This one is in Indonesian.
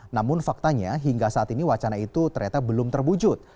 namun faktanya hingga saat ini wacana itu ternyata belum terwujud